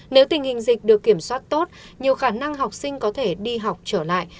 nếu tình hình dịch được kiểm soát tốt nhiều khả năng học sinh có thể đi học trở lại